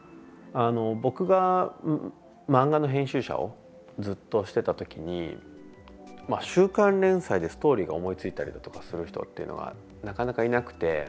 僕が漫画の編集者をずっとしてた時に週刊連載でストーリーが思いついたりだとかする人っていうのがなかなか、いなくて。